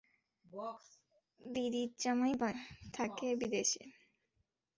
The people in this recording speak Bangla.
দিদির জামাই থাকে বিদেশে।